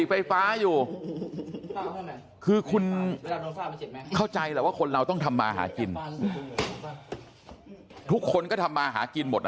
ไฟฟ้าอยู่คือคุณเข้าใจแหละว่าคนเราต้องทำมาหากินทุกคนก็ทำมาหากินหมดนะ